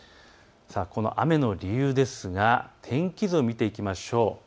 この雨の理由ですが天気図を見ていきましょう。